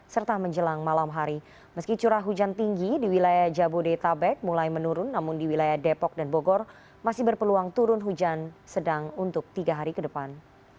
serta menjelang malam hari meski curah hujan tinggi di wilayah jabodetabek mulai menurun namun di wilayah depok dan bogor masih berpeluang turun hujan sedang untuk tiga hari ke depan